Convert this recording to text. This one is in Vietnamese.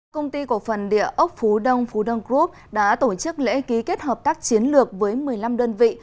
công ty cổ phần địa ốc phú đông phú đông group đã tổ chức lễ ký kết hợp tác chiến lược với một mươi năm đơn vị